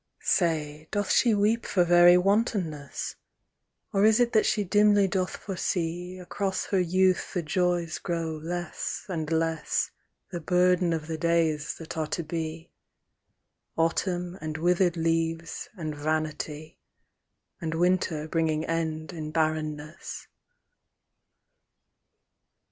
Say, doth she weep for very wantonness? Or is it that she dimly doth foresee Across her youth the joys grow less and less The burden of the days that are to be: Autumn and withered leaves and vanity, And winter bringing end in barrenness.